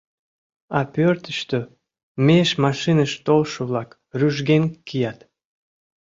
А пӧртыштӧ меж машиныш толшо-влак рӱжген кият.